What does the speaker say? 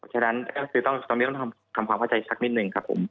ฉะนั้นก็คือตอนนี้ต้องทำความเข้าใจสักนิดหนึ่งครับผม